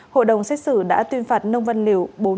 hội đồng xét xử đã tuyên phạt nông văn liều